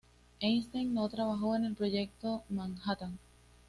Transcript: Einstein no trabajó en el Proyecto Manhattan.